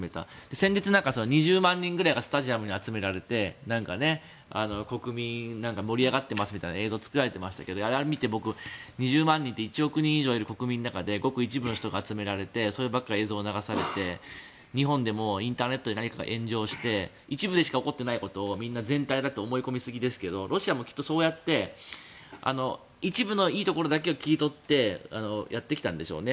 先日、２０万人ぐらいがスタジアムに集められて国民盛り上がってますみたいな映像が作られていましたがあれを見て僕、２０万人って多くの国民の中でごく一部の人が集められてそういう映像が映し出されて日本でもインターネットで何かが炎上して一部でしか起こっていないことを全体だと思い込みすぎですがロシアもそうやって一部のいいところだけを切り取ってやってきたんでしょうね。